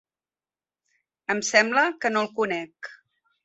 Em sembla que no el conec.